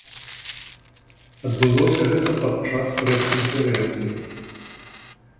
Адбылося гэта падчас прэс-канферэнцыі.